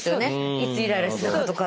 いつイライラするかとかって。